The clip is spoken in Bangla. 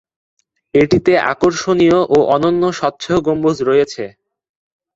এটিতে আকর্ষণীয় ও অনন্য স্বচ্ছ গম্বুজ রয়েছে।